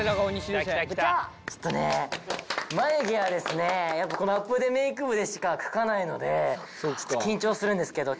ちょっとね眉毛はですねやっぱこのアプデメイク部でしか描かないので緊張するんですけど。